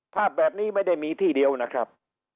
ภาพแบบนี้ไม่ได้มีที่เดียวนะครับ